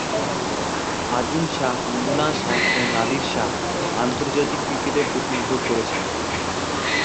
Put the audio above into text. আজিম শাহ্, মুন্না শাহ্ ও নাদির শাহ আন্তর্জাতিক ক্রিকেটে প্রতিনিধিত্ব করেছেন।